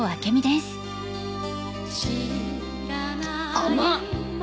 甘っ！